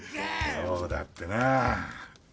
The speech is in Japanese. そうだったなぁ。